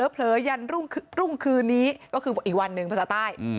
เยันรุ่งคืนนี้ก็คืออีกวันหนึ่งภาษาใต้